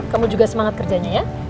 kamu juga semangat kerjanya ya